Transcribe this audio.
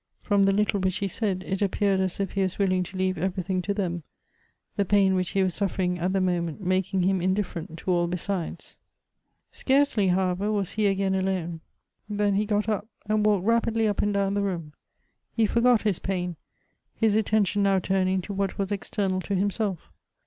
Prom the little which he said, it appeared as if he was willing to leave everything to them; tlie pain which he was suffering at the moment making him indifferent to all besides. Scarcely, however, was he again alone, than he got up, and walked rapidly up and down the room ; he forgot his pain, his attention now turning to what was external to himself.